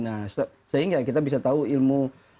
nah sehingga kita bisa tahu ilmu